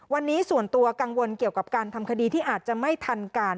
วันนี้ส่วนตัวกังวลเกี่ยวกับการทำคดีที่อาจจะไม่ทันการ